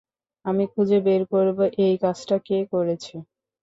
আমি খুঁজে বের করবো এই কাজটা কে করেছে।